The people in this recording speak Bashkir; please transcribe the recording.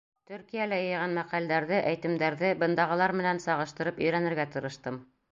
Төркиәлә йыйған мәҡәлдәрҙе, әйтемдәрҙе бындағылар менән сағыштырып өйрәнергә тырыштым.